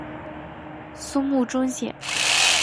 松木宗显。